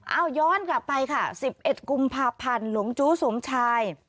เอ้าย้อนกลับไปค่ะสิบเอ็ดกุมภาพันธ์หลวงจุสมชาย